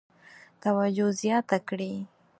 توجه زیاته کړي.